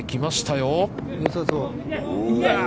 よさそう。